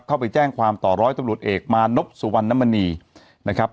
เข้าไปแจ้งความต่อร้อยตำรวจเอกมานพสุวรรณมณีนะครับ